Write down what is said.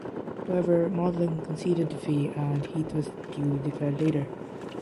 However Maudling conceded defeat and Heath was duly declared leader.